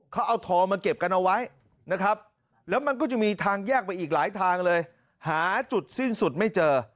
เขาเอาทองมาเก็บกันเอาไว้นะครับแล้วมันก็จะมีทางแยกไปอีกหลายทางเลยหาจุดสิ้นสุดไม่เจอ